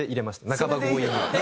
半ば強引に。